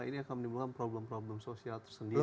ini akan menimbulkan problem problem sosial tersendiri